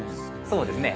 そうですね。